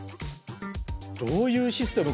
どういうシステム？